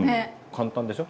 簡単でしょ？